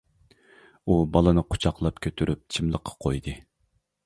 ئۇ بالىنى قۇچاقلاپ كۆتۈرۈپ چىملىققا قويدى.